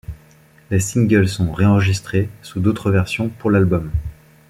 Les singles sont réenregistrés sous d'autres versions pour l'album.